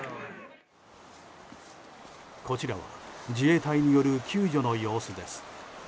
こちらは自衛隊による救助の様子です。